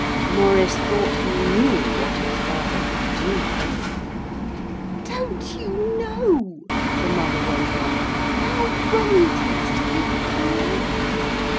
Maurice thought he knew what his father would do. 'Don't you know,' the mother went on, 'how wrong it is to be cruel?'